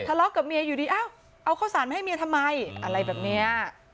ทะเลาะกับเมียอยู่ดีเอ้าเอาข้าวสารมาให้เมียทำไมอะไรแบบนี้